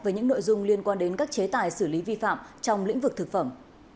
với những nội dung liên quan đến các chế tài xử lý vi phạm trong lĩnh vực thực phẩm